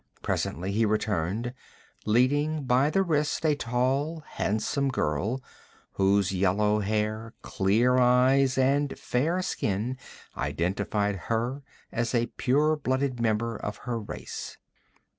Presently he returned, leading by the wrist a tall handsome girl, whose yellow hair, clear eyes and fair skin identified her as a pure blooded member of her race.